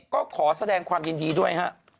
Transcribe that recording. ก็ขอแสดงความยินดีด้วยฮะ